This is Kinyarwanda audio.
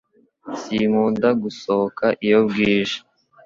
Sinkunda gusohoka iyo bwije